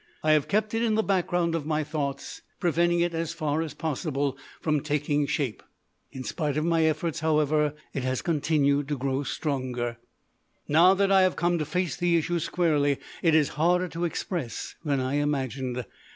I have kept it in the background of my thoughts, preventing it as far as possible from taking shape. In spite of my efforts, however, it has continued to grow stronger. Now that I come to face the issue squarely it is harder to express than I imagined.